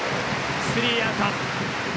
スリーアウト。